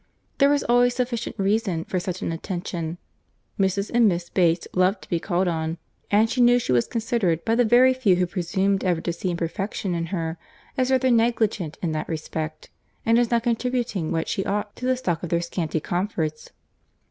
There was always sufficient reason for such an attention; Mrs. and Miss Bates loved to be called on, and she knew she was considered by the very few who presumed ever to see imperfection in her, as rather negligent in that respect, and as not contributing what she ought to the stock of their scanty comforts.